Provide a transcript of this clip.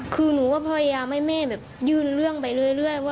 คือหนูก็พยายามให้แม่แบบยื่นเรื่องไปเรื่อยว่า